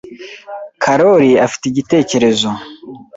Karoli afite igitekerezo.